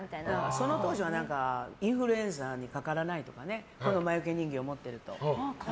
その当時はインフルエンザにかからないとかこの魔よけ人形を持ってると。